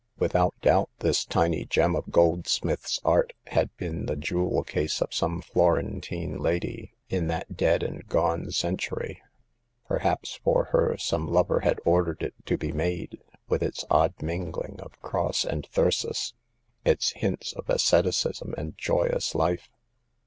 Without doubt this tiny gem of goldsmith's art had been the jewel case of some Florentine lady in that dead and gone century. Perhaps for her some lover had ordered it to be made, with its odd mingling of cross and thyrsus ; its hints of asceticism and joyous life.